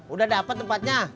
udah dapet tempatnya